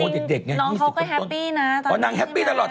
แต่จริงน้องเขาก็แฮปปี้นะตอนนี้ใช่ไหมครับอ๋อนางแฮปปี้ตลอด